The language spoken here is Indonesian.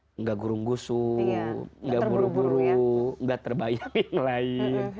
tidak gurung gusu nggak buru buru nggak terbayang yang lain